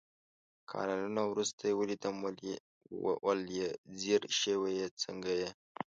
کالونه ورورسته يې ويلدم ول يې ځير شوي يې ، څنګه يې ؟